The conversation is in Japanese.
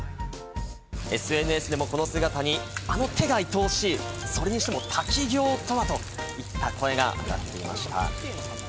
ＳＮＳでもこの姿に、あの手がいとおしい、それにしても滝行とはといった声が上がっていました。